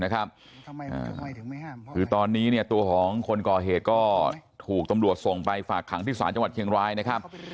คือตอนนี้ตัวของคนก่อเหตุก็ถูกตำรวจส่งไปฝากขังที่ศาลจังหวัดเชียงรายนะครับ